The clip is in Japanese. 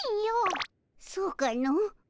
そうかの。